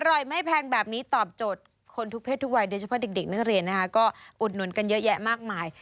อร่อยไม่แพงแบบนี้ตอบโจทย์คนทุกเพศทุกวัยโดยเฉพาะเด็กนักเรียนนะคะก็อุดหนุนกันเยอะแยะมากมาย